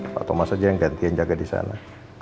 pak thomas aja yang ganti yang jaga disana